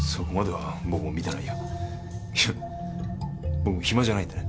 僕も暇じゃないんでね。